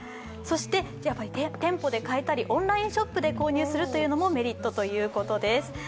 そして、店舗で買えたりオンラインショップで購入するというのもメリットです。